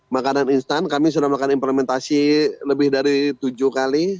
makanan instan kami sudah melakukan implementasi lebih dari tujuh kali